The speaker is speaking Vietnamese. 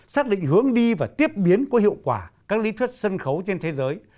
xác định hướng đi và tiếp biến có hiệu quả các lý thuyết sân khấu trên thế giới